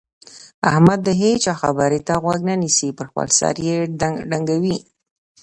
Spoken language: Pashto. احمد د هيچا خبرې ته غوږ نه نيسي؛ پر خپل سر يې ډنګوي.